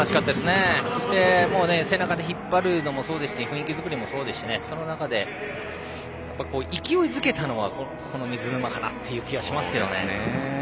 そして、背中で引っ張るのもそうですし雰囲気作りもそうですしその中で勢いづけたのは水沼かなという気がしますね。